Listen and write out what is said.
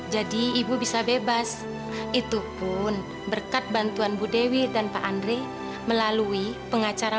jadi selama ini mas satria gak bener bener menyayangi lara